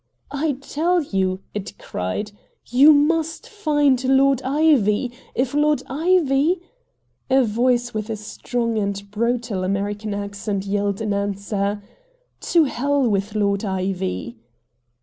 "I tell you," it cried, "you must find Lord Ivy! If Lord Ivy " A voice with a strong and brutal American accent yelled in answer: "To hell with Lord Ivy!"